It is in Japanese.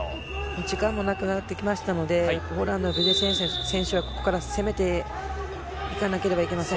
時間もなくなってきましたのでポーランドのブジェシエン選手、ここから攻めていかなくてはなりません。